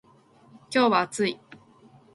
今日は暑い